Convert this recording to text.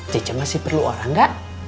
cice masih perlu orang gak